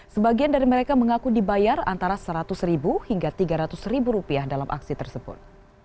sebagian dari mereka mengaku dibayar antara seratus ribu hingga tiga ratus ribu rupiah dalam aksi tersebut